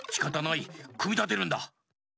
くみたてるんだ。